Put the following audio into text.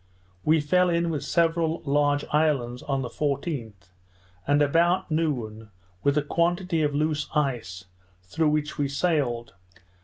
We fell in with several large islands on the 14th, and about noon, with a quantity of loose ice, through which we sailed.